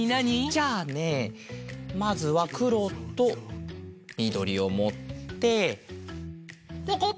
じゃあねまずはくろとみどりをもってぽこ！